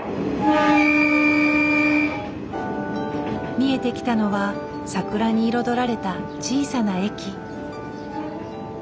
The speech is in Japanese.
見えてきたのは桜に彩られた小さな駅。